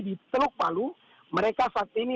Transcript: di teluk palu mereka saat ini